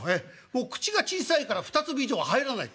もう口が小さいから２粒以上は入らない。